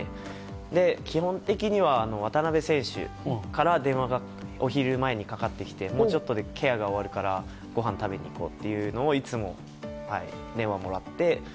それで、基本的には渡邊選手から電話がお昼前にかかってきてもうちょっとでケアが終わるからごはん食べに行こうというのをいつも、電話もらって。